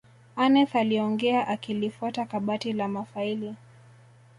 aneth aliongea akilifuata kabati la mafaili